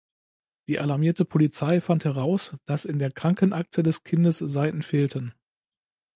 Die alarmierte Polizei fand heraus, dass in der Krankenakte des Kindes Seiten fehlten.